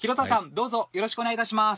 どうぞよろしくお願い致します。